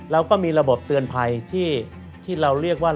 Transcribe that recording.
เราก็มีระบบเตือนภัยที่เราเรียกว่า